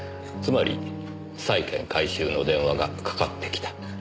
つまり債権回収の電話がかかってきた。